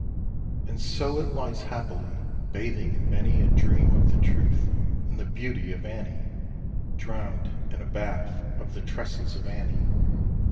And so it lies happily, Bathing in manyA dream of the truthAnd the beauty of Annie—Drown'd in a bathOf the tresses of Annie.